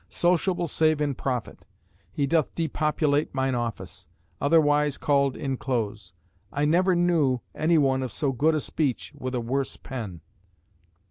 Sociable save in profit.... He doth depopulate mine office; otherwise called inclose.... I never knew any one of so good a speech with a worse pen."